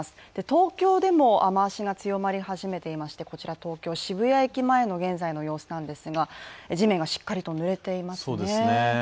東京でも、雨足が強まり始めていましてこちら、東京、渋谷駅前の現在の様子なんですが地面がしっかりとぬれていますね。